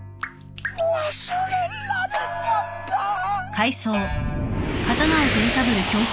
忘れられなんだぁ。